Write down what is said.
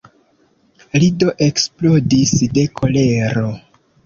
Li do eksplodis de kolero.